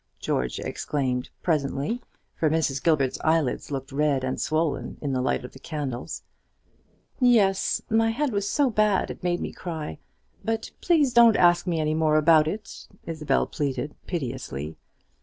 George exclaimed presently, for Mrs. Gilbert's eyelids looked red and swollen in the light of the candles. "Yes, my head was so bad it made me cry; but please don't ask me any more about it," Isabel pleaded, piteously.